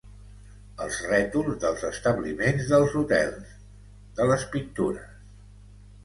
Els rètols dels establiments, dels hotels, de les pintures.